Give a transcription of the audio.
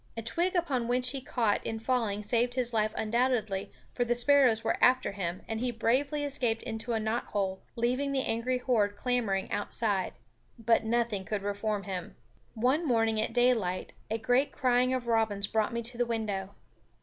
A twig upon which he caught in falling saved his life undoubtedly, for the sparrows were after him and he barely escaped into a knot hole, leaving the angry horde clamoring outside. But nothing could reform him. One morning at daylight a great crying of robins brought me to the window.